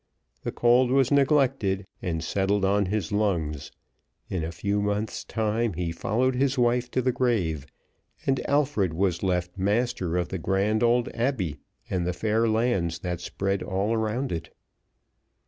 The cold was neglected, and settled on his lungs. In a few months' time he followed his wife to the grave, and Alfred was left master of the grand old Abbey and the fair lands that spread all around it.